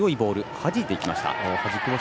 はじいていきました。